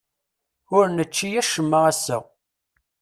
Ur nečči acemma ass-a.